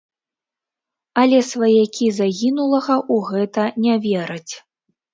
Але сваякі загінулага ў гэта не вераць.